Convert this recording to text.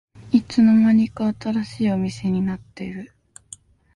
いつの間にか新しいお店になってる